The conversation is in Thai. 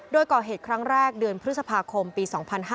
โดยก่อเหตุครั้งแรกเดือนพฤษภาคมปี๒๕๕๙